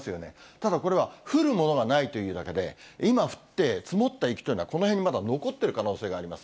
ただこれは、降るものがないというだけで、今降って、積もった雪というのは、この辺にまだ残っている可能性があります。